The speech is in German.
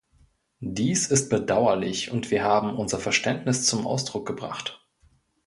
Dies ist bedauerlich, und wir haben unser Verständnis zum Ausdruck gebracht.